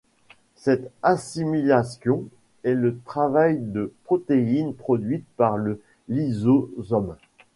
Cette assimilation est le travail de protéines produite par le lysosome.